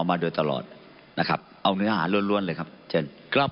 มาโดยตลอดนะครับเอาเนื้อหาล้วนเลยครับเชิญครับ